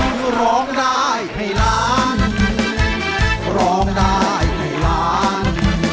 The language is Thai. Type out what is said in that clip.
ก็ร้องได้ให้ร้านนะคุณ